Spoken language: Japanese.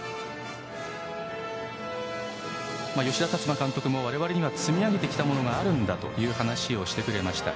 吉田達磨監督も、我々には積み上げてきたものがあるんだという話をしてくれました。